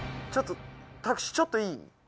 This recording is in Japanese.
ちょっとタクシちょっといい？